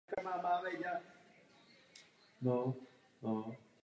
Tato metoda se používá k určení prostorové struktury bílkovin a enzymů a nukleových kyselin.